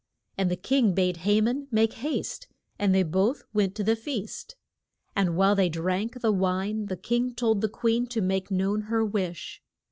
And the king bade Ha man make haste, and they both went to the feast. And while they drank the wine the king told the queen to make known her wish.